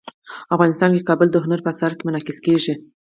افغانستان کې کابل د هنر په اثار کې منعکس کېږي.